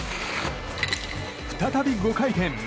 再び５回転！